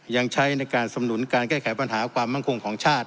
ยังใช้ในการสำนุนการแก้ไขปัญหาความมั่นคงของชาติ